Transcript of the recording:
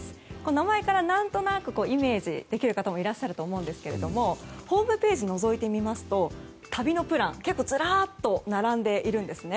名前から、何となくイメージできる方もいらっしゃるかと思うんですけどホームページをのぞいてみますと旅のプランが、ずらっと並んでいるんですね。